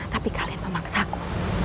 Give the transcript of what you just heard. tapi kalian memaksaku